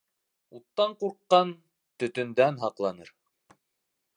Уттан ҡурҡҡан төтөндән һаҡланыр.